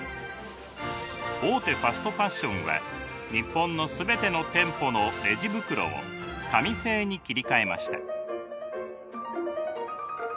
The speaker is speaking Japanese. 大手ファストファッションは日本の全ての店舗のレジ袋を紙製に切り替えました。